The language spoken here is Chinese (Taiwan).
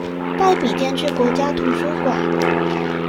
帶筆電去國家圖書館